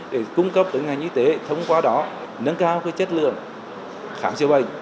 để cung cấp tới ngành y tế thông qua đó nâng cao chất lượng khám chữa bệnh